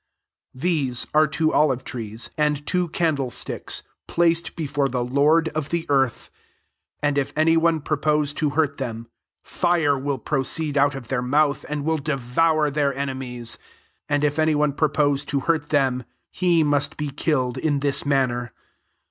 4 These are tir9 j olive trees, and two candle REVELATION XI. 403 sticks, placed before the Lord of jthe earth* 5 And if any one purpose to hurt them, fire will proceed out of their mouth, and will devour their enemies ; and if any one purpose to hurt them, he must be killed in this manner.